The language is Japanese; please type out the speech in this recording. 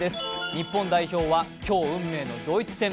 日本代表は今日、運命のドイツ戦。